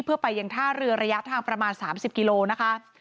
เพื่อไปยังท่าเรือระยะทางประมาณ๓๐กิโลนะคะ